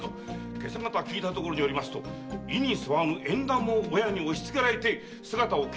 今朝方聞いたところによると意に添わぬ縁談を親に押しつけられて姿を消したと聞いております。